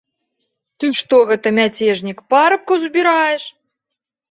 Ты, што гэта, мяцежнік, парабкаў збіраеш?